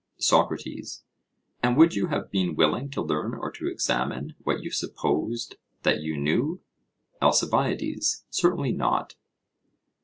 SOCRATES: And would you have been willing to learn or to examine what you supposed that you knew? ALCIBIADES: Certainly not.